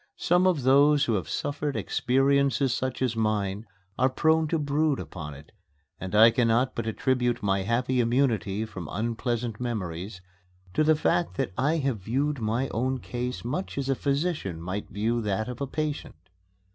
Some of those who have suffered experiences such as mine are prone to brood upon them, and I cannot but attribute my happy immunity from unpleasant memories to the fact that I have viewed my own case much as a physician might view that of a patient.